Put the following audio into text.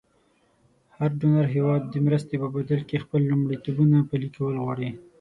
هر ډونر هېواد د مرستې په بدل کې خپل لومړیتوبونه پلې کول غواړي.